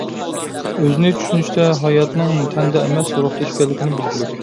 ئۆزىنى چۈشىنىشتە، ھاياتنىڭ تەندە ئەمەس، روھتا ئىكەنلىكىنى بىلگۈلۈك.